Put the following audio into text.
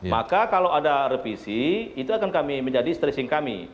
maka kalau ada revisi itu akan kami menjadi stressing kami